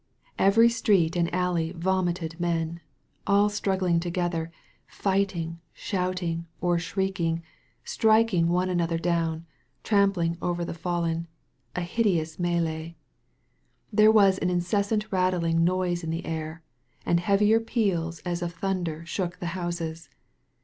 Every street and alley vomit^ men — all struggling together, fighting, shoutings or shriek ing, striking one another down, trampling over the fallen — a hideous m616e. There was an incessant rattling noise in the air, and heavier peals as of thunder shook the houses.